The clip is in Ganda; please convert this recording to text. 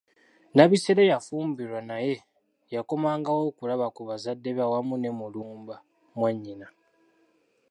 Nabisere yafumbirwa naye yakomangawo okulaba ku bazade be awamu ne Mulumba mwannyina.